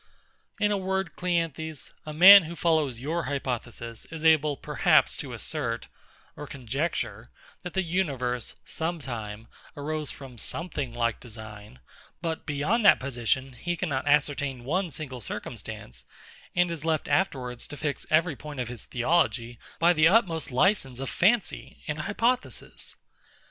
In a word, CLEANTHES, a man who follows your hypothesis is able perhaps to assert, or conjecture, that the universe, sometime, arose from something like design: but beyond that position he cannot ascertain one single circumstance; and is left afterwards to fix every point of his theology by the utmost license of fancy and hypothesis.